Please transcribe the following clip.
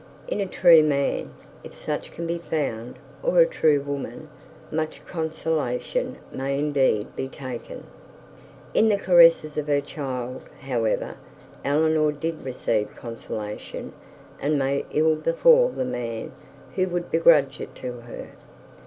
In a true man, if such can be found, or a true woman, much consolation may indeed be taken. In the caresses of her child, however, Eleanor did receive consolation; and may ill befall the man who would begrudge it to her.